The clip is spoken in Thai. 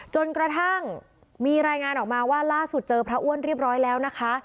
จนกระทั่งมีรายงานออกมาว่าล่าสุดเจอพระอ้วนเรียบร้อยแล้วนะคะ